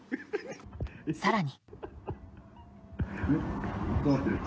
更に。